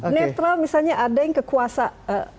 netral misalnya ada yang kekuasaan